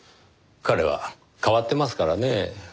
彼は変わってますからねぇ。